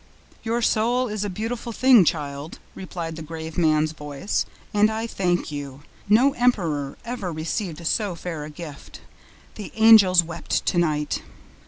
"Your soul is a beautiful thing, child," replied the grave man's voice, "and I thank you. No emperor ever received so fair a gift. THE ANGELS WEPT TONIGHT."